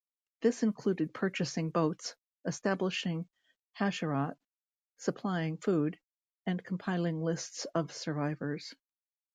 This included purchasing boats, establishing hachsharot, supplying food and compiling lists of survivors.